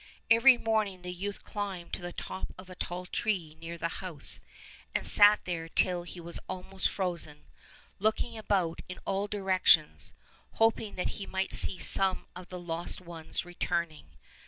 Every morning the youth climbed to the top of a tall tree near the house, and sat there till he was almost frozen, looking about in all direc tions, hoping that he might see some of the lost ones returning.